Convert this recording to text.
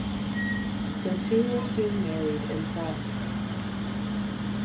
The two were soon married in Prague.